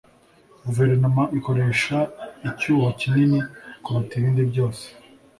Guverinoma ikoresha icyuho kinini kuruta ibindi byose.